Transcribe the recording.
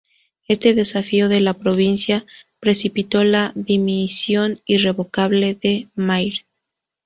Este desafío de la provincia precipitó la dimisión irrevocable de Mayr.